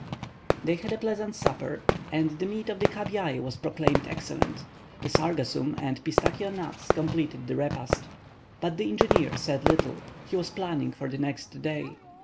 They had a pleasant supper, and the meat of the cabiai was proclaimed excellent; the sargassum and pistachio nuts completed the repast. But the engineer said little; he was planning for the next day.